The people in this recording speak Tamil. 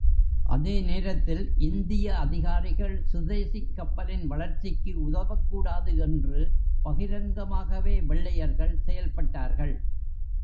அதே நேரத்தில் இந்திய அதிகாரிகள் சுதேசிக் கப்பலின் வளர்ச்சிக்கு உதவக் கூடாது என்று பகிரங்கமாகவே வெள்ளையர்கள் செயல்பட்டார்கள்.